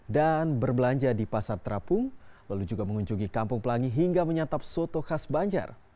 dan berbelanja di pasar terapung lalu juga mengunjungi kampung pelangi hingga menyatap soto khas banjar